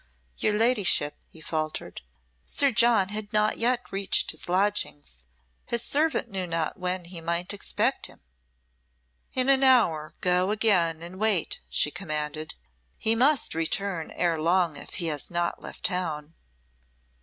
"Your ladyship," he faltered, "Sir John had not yet reached his lodgings. His servant knew not when he might expect him." "In an hour go again and wait," she commanded. "He must return ere long if he has not left town."